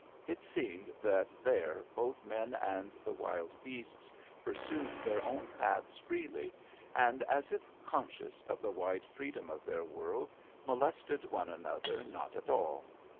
It seemed that there both men and the wild beasts pursued their own paths freely and, as if conscious of the wide freedom of their world, molested one another not at all.